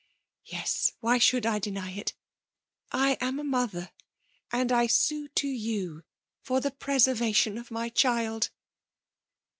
Yes ! why should I deny it l I am a mother; and I sue to you for the preservaticm of my child